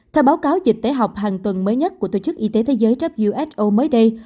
theo báo cáo dịch tễ học hàng tuần mới nhất của tổ chức y tế thế giới who mới đây